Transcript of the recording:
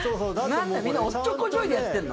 みんなおっちょこちょいでやってんの？